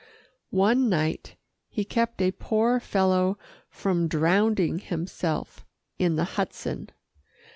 One night he kept a poor fellow from drowning himself in the Hudson.